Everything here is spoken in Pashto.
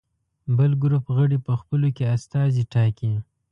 بل ګروپ غړي په خپلو کې استازي ټاکي.